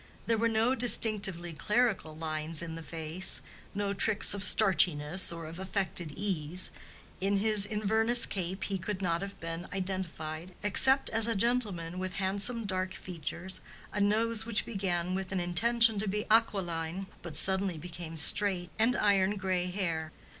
There were no distinctively clerical lines in the face, no tricks of starchiness or of affected ease: in his Inverness cape he could not have been identified except as a gentleman with handsome dark features, a nose which began with an intention to be aquiline but suddenly became straight, and iron gray hair.